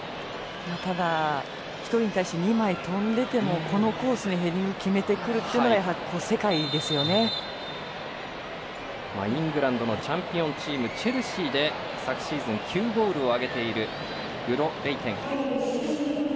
ただ、１人に対して２枚、跳んでてもこのコースにヘディング決めてくるというのがイングランドのチャンピオンチームチェルシーで９ゴールを挙げているグロ・レイテン。